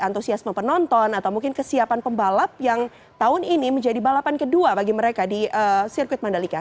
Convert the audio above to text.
antusiasme penonton atau mungkin kesiapan pembalap yang tahun ini menjadi balapan kedua bagi mereka di sirkuit mandalika